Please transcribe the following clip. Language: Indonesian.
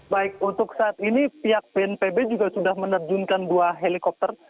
baik untuk saat ini pihak bnpb juga sudah menerjunkan dua helikopter